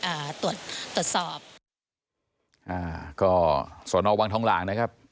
อ่าตรวจตรวจสอบอ่าก็สอนอวังทองหลางนะครับ